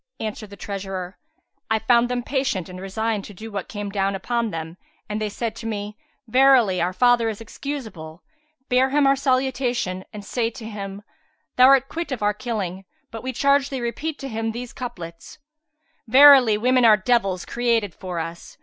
Answered the treasurer, "I found them patient and resigned to what came down upon them and they said to me, 'Verily, our father is excusable; bear him our salutation and say to him, 'Thou art quit of our killing. But we charge thee repeat to him these couplets, 'Verily women are devils created for us.